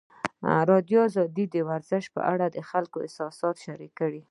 ازادي راډیو د ورزش په اړه د خلکو احساسات شریک کړي.